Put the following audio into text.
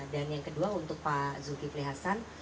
dan yang kedua untuk pak zulkifli hasan